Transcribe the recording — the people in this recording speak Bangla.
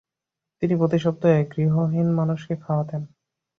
তিনি প্রতি সপ্তাহে গৃহহীন মানুষকে খাওয়াতেন।